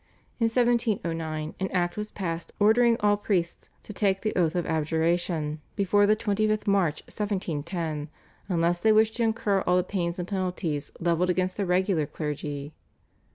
In 1709 an act was passed ordering all priests to take the Oath of Abjuration before the 25th March 1710, unless they wished to incur all the pains and penalties levelled against the regular clergy.